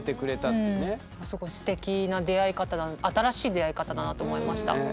すごいすてきな出会い方新しい出会い方だなと思いました。